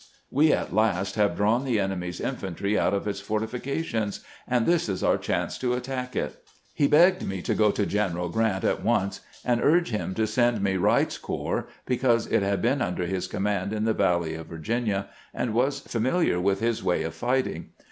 "We at last have drawn the enemy's infantry out of its fortifications, and this is our chance to attack it." He begged me to go to Q eneral Grant at once, and urge him to send him Wright's corps, because it had been under his command in the valley of Virginia, and was familiar with his way of fighting.